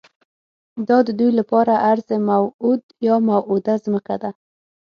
دا ددوی لپاره ارض موعود یا موعوده ځمکه ده.